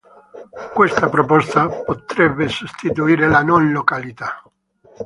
Questa proposta potrebbe sostituire la non-località.